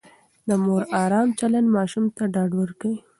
د مور ارام چلند ماشوم ته ډاډ ورکوي.